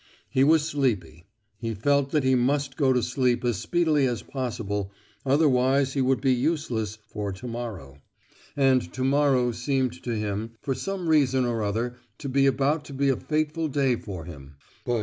He was sleepy; he felt that he must go to sleep as speedily as possible, otherwise he would be useless "for to morrow," and to morrow seemed to him for some reason or other to be about to be a fateful day for him.